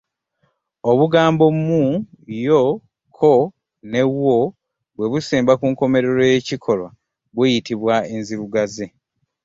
Obugambo mu yo ko ne wo bwe busemba ku nkomerero y’ekikolwa buyitibwa enzirugaze.